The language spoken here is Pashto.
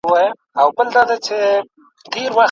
تر هر بیته مي راځې بیرته پناه سې